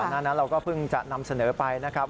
หน้านั้นเราก็เพิ่งจะนำเสนอไปนะครับ